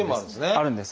あるんです。